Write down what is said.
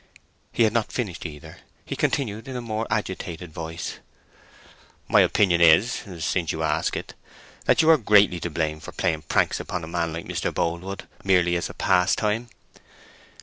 He had not finished, either. He continued in a more agitated voice:— "My opinion is (since you ask it) that you are greatly to blame for playing pranks upon a man like Mr. Boldwood, merely as a pastime.